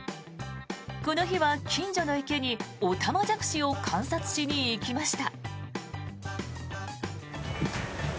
この日は近所の池にオタマジャクシを観察しに行きました。